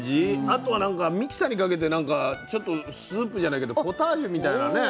あとはなんかミキサーにかけてなんかちょっとスープじゃないけどポタージュみたいなね。